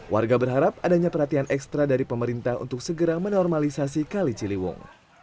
warga berharap adanya perhatian ekstra dari pemerintah untuk segera menormalisasi kali ciliwung